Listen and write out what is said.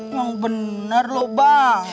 emang bener loh bang